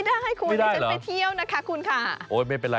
คุณได้ไหมไม่ได้คู่นี้ยังเต้นไปเที่ยวนะคะคุณค่ะโอ้ยไม่เป็นไร